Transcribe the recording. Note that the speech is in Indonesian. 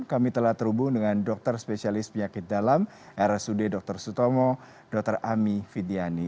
kami telah terhubung dengan dokter spesialis penyakit dalam rsud dr sutomo dr ami vidiani